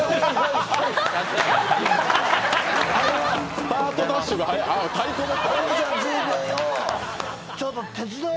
「スタートダッシュが早い。